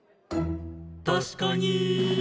「確かに」